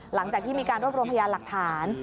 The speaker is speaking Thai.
หลังจากที่มีการรวบรวมพยานหลักฐาน